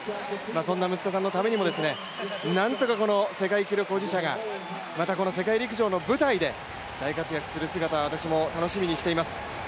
そんな息子さんのためにも何とかこの世界記録保持者が、またこの世界陸上の舞台で大活躍する姿を私も楽しみにしています。